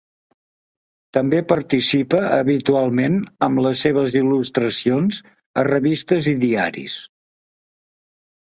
També participa habitualment amb les seves il·lustracions a revistes i diaris.